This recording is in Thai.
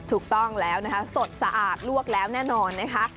ถูกต้องแล้วนะคะสดสะอาดลวกแล้วแน่นอนนะคะ